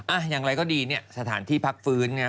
อ่ะอย่างไรก็ดีเนี๊ยะสถานที่พักฟื้นนะฮะ